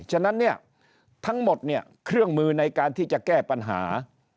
ฉะนั้นเนี่ยทั้งหมดเนี่ยเครื่องมือในการที่จะแก้ปัญหา